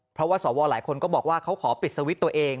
เพราะว่าสวหลายคนก็บอกว่าเขาขอปิดสวิตช์ตัวเอง